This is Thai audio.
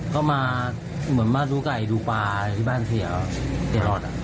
ก็มาเหมือนมาดูไก่ดูปลาอะไรที่บ้านเสียตลอด